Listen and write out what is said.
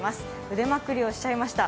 腕まくりをしちゃいました。